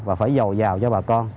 và phải giàu giàu cho bà con